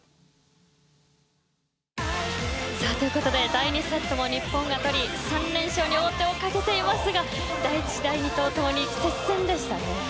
第２セットも日本が取り３連勝に王手をかけていますが第１、第２と共に接戦でしたね。